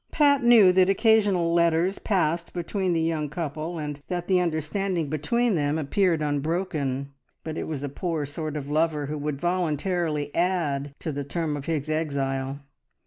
Pat knew that occasional letters passed between the young couple, and that the understanding between them appeared unbroken, but it was a poor sort of lover who would voluntarily add to the term of his exile.